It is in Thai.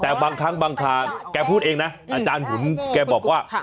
แต่บางครั้งบางคราแกพูดเองนะอาจารย์หุ่นแกบอกว่า